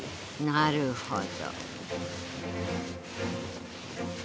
なるほど。